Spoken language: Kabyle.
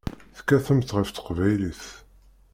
Tekkatemt ɣef teqbaylit.